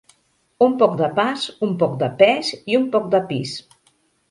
Un poc de pas, un poc de pes i un poc de pis.